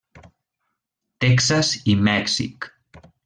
Texas i Mèxic.